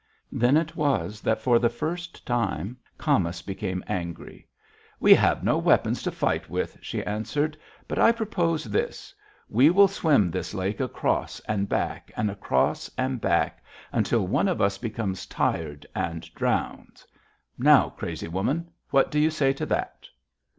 "Then it was that, for the first time, Camas became angry: 'We have no weapons to fight with,' she answered, 'but I propose this: We will swim this lake across and back and across and back until one of us becomes tired and drowns! Now, crazy woman, what do you say to that?'